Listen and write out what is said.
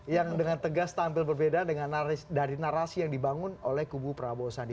yang dengan tegas tampil berbeda dengan dari narasi yang dibangun oleh kubu prabowo sandi